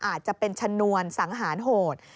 อาจจะเป็นชนวนสังหารโหด